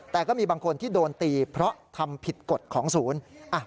แต่ก็มีบางคนที่โดนตีเพราะทำผิดกฎของศูนย์